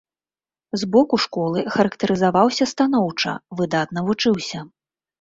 З боку школы характарызаваўся станоўча, выдатна вучыўся.